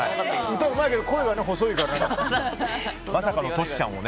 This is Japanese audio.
歌うまいけど声が細いからね。